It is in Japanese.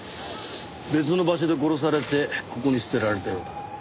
別の場所で殺されてここに捨てられたようだ。